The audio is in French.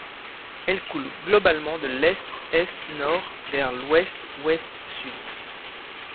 Elle coule globalement de l'est-est-nord vers l'ouest-ouest-sud.